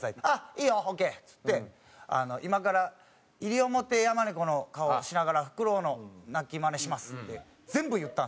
「いいよオーケー」っつって「今からイリオモテヤマネコの顔をしながらフクロウの鳴きマネします」って全部言ったんですよやる事。